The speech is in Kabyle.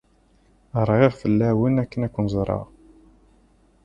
Rɣiɣ fell-awen akken ad ken-ẓreɣ.